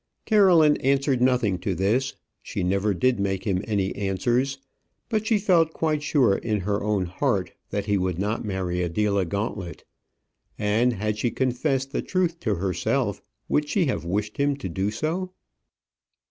Caroline answered nothing to this: she never did make him any answers; but she felt quite sure in her own heart that he would not marry Adela Gauntlet. And had she confessed the truth to herself, would she have wished him to do so?